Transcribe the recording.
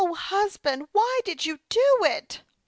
O, husband, why did you do it?"